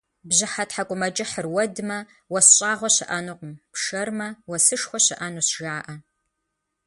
Бжьыхьэ тхьэкӏумэкӏыхьыр уэдмэ, уэс щӏагъуэ щыӏэнукъым, пшэрмэ, уэсышхуэ щыӏэнущ, жаӏэ.